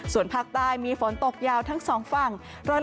ส่วนภาคใต้มีฝนตกยาวทั้ง๒ฝั่ง